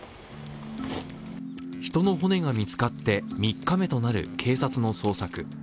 人の骨が見つかって３日目となる警察の捜索。